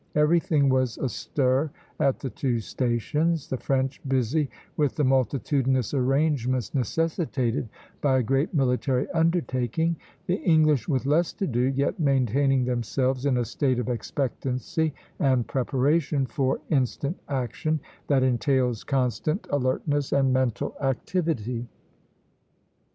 Everything was astir at the two stations, the French busy with the multitudinous arrangements necessitated by a great military undertaking, the English with less to do, yet maintaining themselves in a state of expectancy and preparation for instant action, that entails constant alertness and mental activity.